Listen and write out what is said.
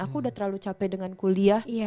aku udah terlalu capek dengan kuliah